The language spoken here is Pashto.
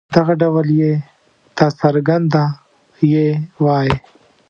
دغه ډول ي ته څرګنده يې وايي.